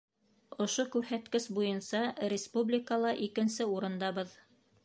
Ошо күрһәткес буйынса республикала икенсе урындабыҙ.